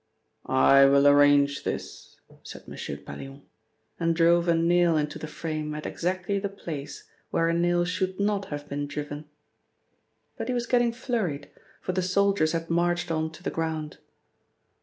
"I will arrange this," said M. Pallion, and drove a nail into the frame at exactly the place where a nail should not have been driven. But he was getting flurried, for the soldiers had marched on to the ground..